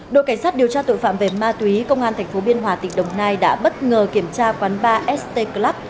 đội cảnh sát điều tra tội phạm về ma túy công an tp biên hòa tỉnh đồng nai đã bất ngờ kiểm tra quán bar st club